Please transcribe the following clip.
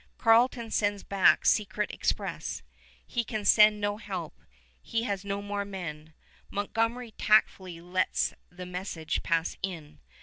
Carleton sends back secret express. He can send no help. He has no more men. Montgomery tactfully lets the message pass in.